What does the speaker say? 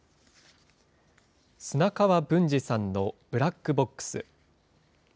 砂川文次さんのブラックボックス。